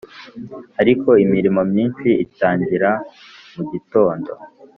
Ariko imirimo myinshi itangira mugitondo